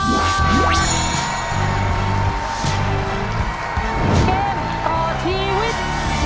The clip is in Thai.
เกมต่อชีวิต